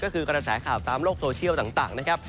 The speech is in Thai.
ก็คือกระแสข่าวตามโลกโซเชียลต่างนะครับ